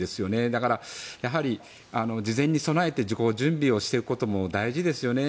だから、やはり事前に備えて準備をしておくことも大事ですよね。